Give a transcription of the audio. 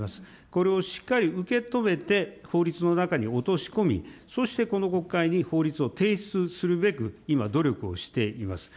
これをしっかり受け止めて、法律の中に落とし込み、そしてこの国会に法律を提出するべく、今、努力をしています。